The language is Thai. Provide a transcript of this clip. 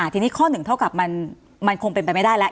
ทีนี้ข้อหนึ่งเท่ากับมันคงเป็นไปไม่ได้แล้ว